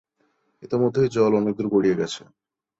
ইতোমধ্যেই জল অনেকদূর গড়িয়ে গেছে!